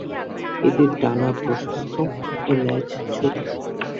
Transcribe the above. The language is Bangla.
এদের ডানা প্রশস্ত ও লেজ ছোট।